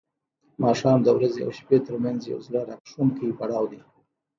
ماښام د ورځې او شپې ترمنځ یو زړه راښکونکی پړاو دی.